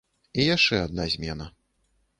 І яшчэ адна змена.